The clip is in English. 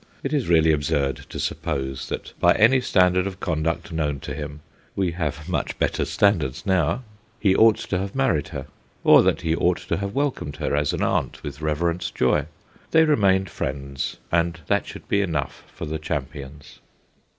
It is really absurd to suppose that by any standard of conduct 184 THE GHOSTS OF PICCADILLY known to him we have much better stan dards now he ought to have married her, or that he ought to have welcomed her as an aunt with reverent joy. They remained friends, and that should be enough for the champions.